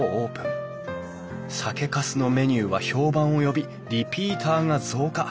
酒かすのメニューは評判を呼びリピーターが増加。